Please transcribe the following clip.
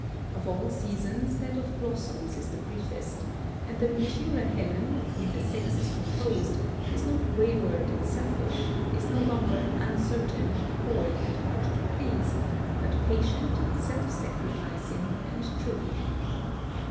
Of all seasons that of blossoms is the briefest, and the maturer Helen, of whom the sex is composed, is not wayward and selfish, is no longer "uncertain, coy, and hard to please," but patient, self sacrificing, and true.